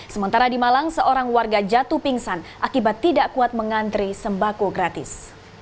sementara di malang seorang warga jatuh pingsan akibat tidak kuat mengantri sembako gratis